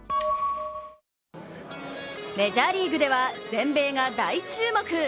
メジャーリーグでは全米が大注目。